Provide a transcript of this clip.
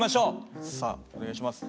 さあお願いします。